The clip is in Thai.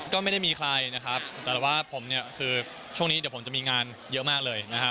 ก็ไม่ได้มีใครนะครับแต่ว่าช่วงนี้ผมจะมีงานเยอะมากเลยนะฮะ